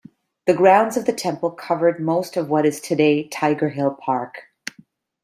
The grounds of the temple covered most of what is today Tiger Hill park.